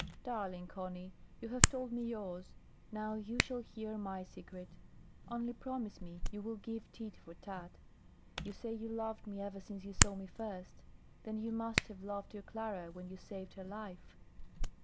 "Darling Conny, you have told me yours, now you shall hear my secret. Only promise me you will give tit for tat. You say you loved me ever since you saw me first; then you must have loved your Clara when you saved her life."